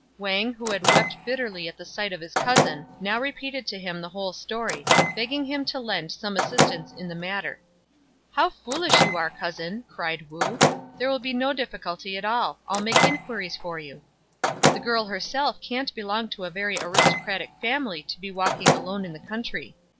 Wang, who had wept bitterly at the sight of his cousin, now repeated to him the whole story, begging him to lend some assistance in the matter. " How foolish you are, cousin," cried Wu ;" there will be no difficulty at all, I'll make inquiries for you. The girl herself can't belong to a very aristocratic family to be walking alone in the country.